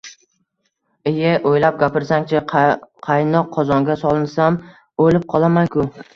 – Iye! O‘ylab gapirsang-chi! Qaynoq qozonga solinsam, o‘lib qolaman-ku!